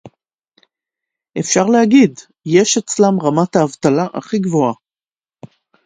אפשר להגיד: יש אצלם רמת האבטלה הכי גבוהה